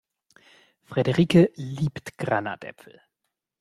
Frederike liebt Granatäpfel.